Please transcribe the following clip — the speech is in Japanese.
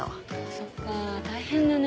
そっか大変だね。